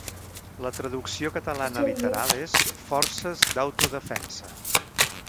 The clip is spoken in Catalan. La traducció catalana literal és Forces d'Autodefensa.